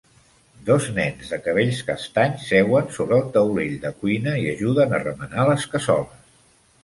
Dos nens de cabells castanys seuen sobre el taulell de cuina i ajuden a remenar les cassoles.